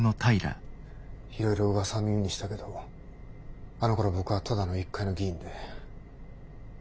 いろいろうわさは耳にしたけどあのころ僕はただの一介の議員で。